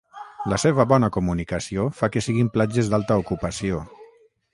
La seva bona comunicació fa que siguin platges d’alta ocupació.